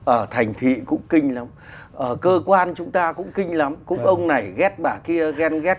ở thành thị cũng kinh lắm ở cơ quan chúng ta cũng kinh lắm cũng ông này ghép bà kia gen ghét